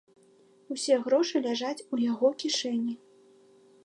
Усе грошы ляжаць у яго кішэні.